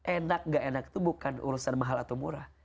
enak gak enak itu bukan urusan mahal atau murah